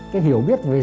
cái hiểu biết về giai cấp